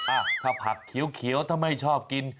อ่ะถ้าผักเขียวถ้าไม่ชอบกิน